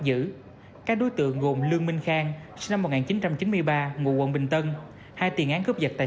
giữ các đối tượng gồm lương minh khang sinh năm một nghìn chín trăm chín mươi ba ngụ quận bình tân hai tiền án cướp giật tại